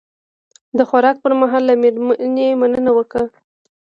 د خوراک پر مهال له میرمنې مننه وکړه.